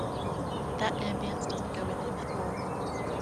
That ambiance doesn't go with him at all.